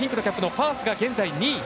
ファースが現在、２位。